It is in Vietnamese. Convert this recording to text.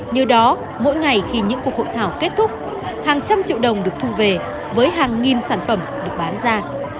như đó mỗi ngày khi những cuộc hội thảo kết thúc hàng trăm triệu đồng được thu về với hàng nghìn sản phẩm được bán ra